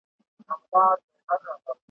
پر زکندن دي یادوم جانانه هېر مي نه کې `